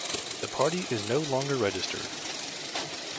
The party is no longer registered.